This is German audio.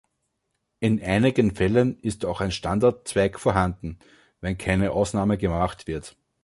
In einigen Fällen ist auch ein Standard-Zweig vorhanden, wenn keine Ausnahme gemacht wird.